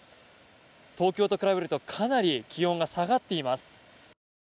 東京と比べるとかなり気温が下がっています。